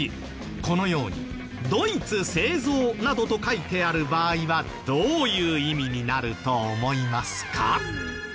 このように「ドイツ製造」などと書いてある場合はどういう意味になると思いますか？